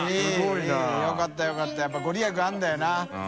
茲辰よかったやっぱ御利益あるんだよな。